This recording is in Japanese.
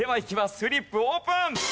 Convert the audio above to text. フリップオープン！